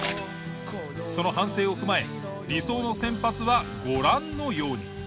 その反省を踏まえ理想の先発はご覧のように。